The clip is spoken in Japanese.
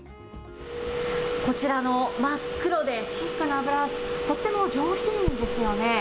こちらの真っ黒でシックなブラウス、とっても上品ですよね。